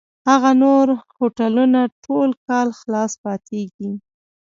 هغه نور هوټلونه ټول کال خلاص پاتېږي.